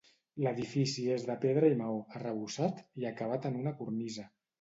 L'edifici és de pedra i maó, arrebossat, i acabat en una cornisa.